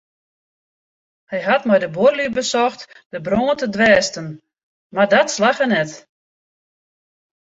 Hy hat mei de buorlju besocht de brân te dwêsten mar dat slagge net.